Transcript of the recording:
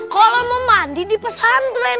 kalau mau mandi dipesan tren